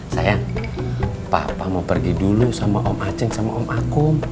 sayang papa mau pergi dulu sama om acing sama om akum